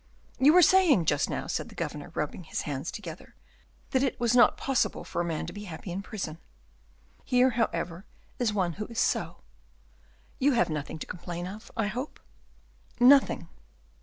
"You were saying just now," said the governor, rubbing his hands together, "that it was not possible for a man to be happy in prison; here, however, is one who is so. You have nothing to complain of, I hope?" "Nothing."